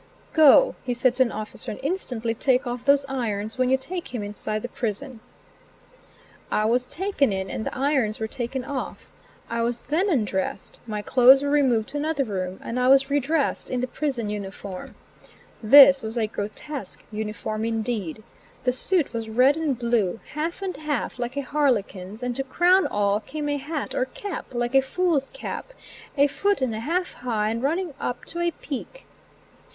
"Go," he said to an officer, "and instantly take off those irons when you take him inside the prison." I was taken in and the irons were taken off. I was then undressed, my clothes were removed to another room, and I was redressed in the prison uniform. This was a grotesque uniform indeed. The suit was red and blue, half and half, like a harlequin's, and to crown all came a hat or cap, like a fool's cap, a foot and a half high and running up to a peak.